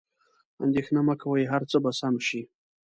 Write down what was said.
اندیښنه مه کوئ، هر څه به سم شي.